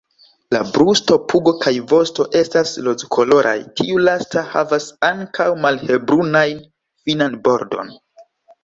La brusto, pugo kaj vosto estas rozkoloraj, tiu lasta havas ankaŭ malhelbrunajn finan bordon.